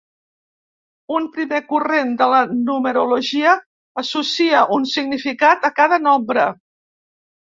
Un primer corrent de la numerologia associa un significat a cada nombre.